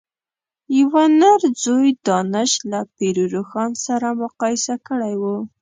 یوه نر ځوی دانش له پير روښان سره مقايسه کړی و.